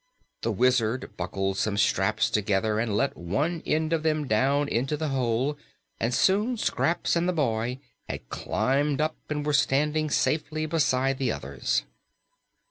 The Wizard buckled some straps together and let one end of them down into the hole, and soon both Scraps and the boy had climbed up and were standing safely beside the others.